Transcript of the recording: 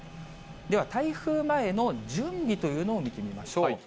では、台風前の準備というのを見てみましょう。